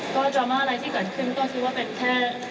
ก็ดราม่าอะไรที่เกิดขึ้นก็แค่การพูดคุยของคุณเป็นคนที่ไม่อยู่บนเวทีเลย